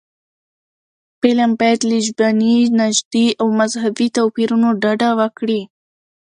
فلم باید له ژبني، نژادي او مذهبي توپیرونو ډډه وکړي